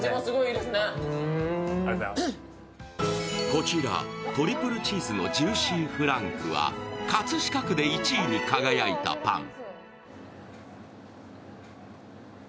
こちら、トリプルチーズのジューシーフランクは、葛飾区で１位に輝いたパン。